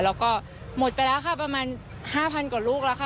แล้วก็หมดไปแล้วค่ะประมาณ๕๐๐กว่าลูกแล้วค่ะ